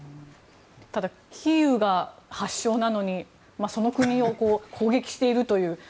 ただ、キーウが発祥なのにその国を攻撃しているという。